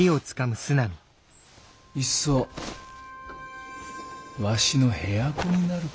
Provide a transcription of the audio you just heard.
いっそわしの部屋子になるか。